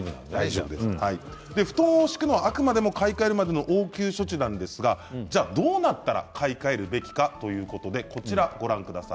布団を敷くのは、あくまで買い替えるまでの応急処置なんですがどうなったら買い替えるべきか。